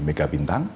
di mega bintang